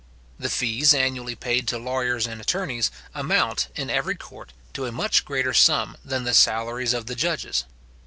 The fees annually paid to lawyers and attorneys, amount, in every court, to a much greater sum than the salaries of the judges.